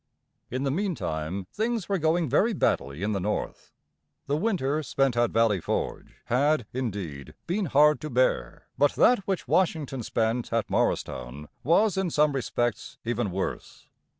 In the meantime things were going very badly in the North. The winter spent at Valley Forge had, indeed, been hard to bear, but that which Washington spent at Morristown was in some respects even worse.